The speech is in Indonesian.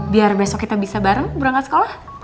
biar besok kita bisa bareng berangkat sekolah